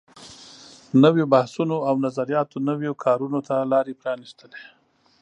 نويو بحثونو او نظریاتو نویو کارونو ته لارې پرانیستلې.